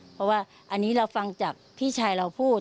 เพราะว่าอันนี้เราฟังจากพี่ชายเราพูด